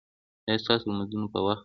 ایا ستاسو لمونځونه په وخت دي؟